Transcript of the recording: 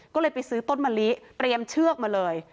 ก็เลยไปซื้อต้นมะลิเตรียมเชือกมาเลย